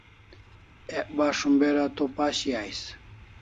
Ek bas shumber a to pashi ais